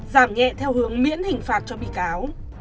giảm nhẹ theo hướng miễn hình phạt cho bị cáo